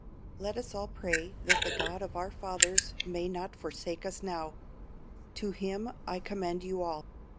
Let us all pray that the God of our fathers may not forsake us now. To Him I commend you all.